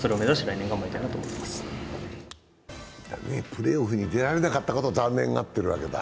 プレーオフに出られなかったことを残念がっているわけだ。